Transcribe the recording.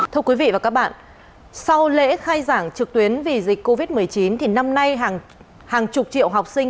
thưa quý vị và các bạn sau lễ khai giảng trực tuyến vì dịch covid một mươi chín thì năm nay hàng chục triệu học sinh